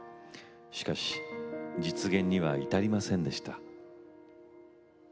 しかし実現には至りませんでした。